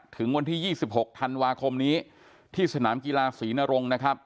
ถึงวันที่๒๖ธันวาคมนี้ที่สนามกีฬาศรีนรงค์นะครับ